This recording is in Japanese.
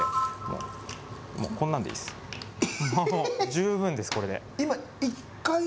十分です、これで。